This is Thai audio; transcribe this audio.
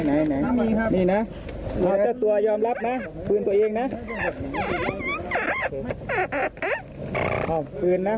นะใช่นี่นะเจ้าตัวยอำลับนะพื้นตัวเองนะ